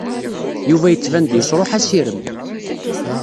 Yuba yettban-d yesṛuḥ assirem.